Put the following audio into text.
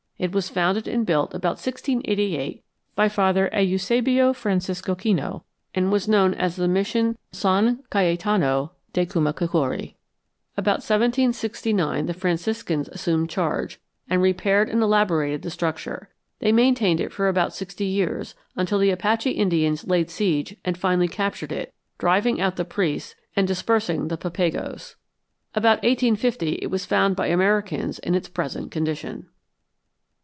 It was founded and built about 1688 by Father Eusebio Francisco Kino, and was known as the Mission San Cayetano de Tumacacori. About 1769 the Franciscans assumed charge, and repaired and elaborated the structure. They maintained it for about sixty years, until the Apache Indians laid siege and finally captured it, driving out the priests and dispersing the Papagos. About 1850 it was found by Americans in its present condition.